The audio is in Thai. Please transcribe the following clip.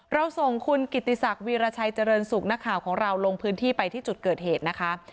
เราส่งคุณกิติศักดิราชัยเจริญสุขนักข่าวของเราลงพื้นที่ไปที่จุดเกิดเหตุนะคะ